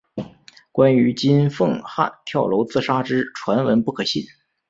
关于金凤汉跳楼自杀之传闻不可信。